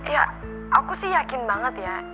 ya aku sih yakin banget ya